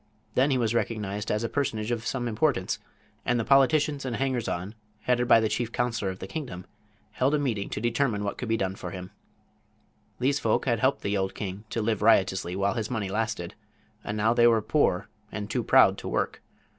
Then he was recognized as a personage of some importance, and the politicians and hangers on, headed by the chief counselor of the kingdom, held a meeting to determine what could be done for him. These folk had helped the old king to live riotously while his money lasted, and now they were poor and too proud to work.